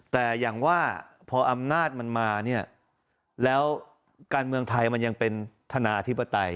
แต่อย่างว่าพออำนาจมันมาเนี่ยแล้วการเมืองไทยมันยังเป็นธนาธิปไตย